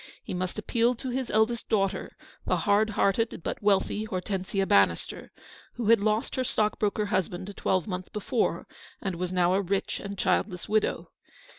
He must appeal to his eldest daughter, the hard hearted but wealthy Hortensia Bannister, who had lost her stockbroker husband a twelvemonth be fore, and was now a rich and childless widow.